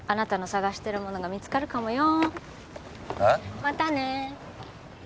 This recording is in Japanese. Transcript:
捜してるものが見つかるかもよ